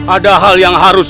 ada hal yang harus